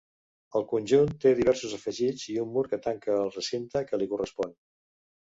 El conjunt té diversos afegits i un mur que tanca el recinte que li correspon.